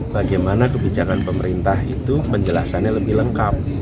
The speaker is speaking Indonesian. bagaimana kebijakan pemerintah itu penjelasannya lebih lengkap